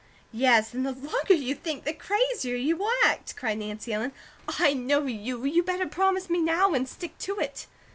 "Yes, and the longer you think the crazier you will act," cried Nancy Ellen. "I know you! You better promise me now, and stick to it."